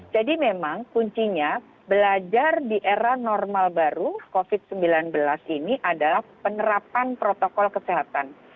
jadi memang kuncinya belajar di era normal baru covid sembilan belas ini adalah penerapan protokol kesehatan